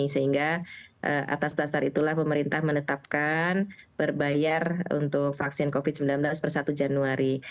sehingga atas dasar itulah pemerintah menetapkan berbayar untuk vaksin covid sembilan belas per satu januari